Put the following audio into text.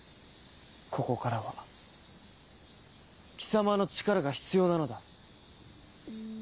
ここからは貴様の力が必要なのだ。